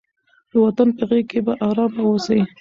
د وطن په غېږ کې په ارامه اوسئ.